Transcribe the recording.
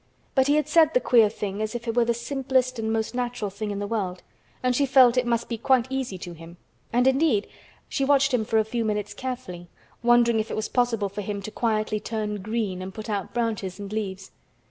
But he had said the queer thing as if it were the simplest and most natural thing in the world, and she felt it must be quite easy to him, and indeed she watched him for a few minutes carefully, wondering if it was possible for him to quietly turn green and put out branches and leaves.